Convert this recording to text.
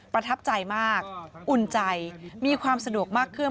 ประทับใจมากอุ่นใจมีความสะดวกมากขึ้น